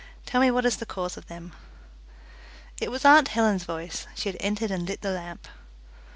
Tell me what is the cause of them." It was aunt Helen's voice; she had entered and lit the lamp.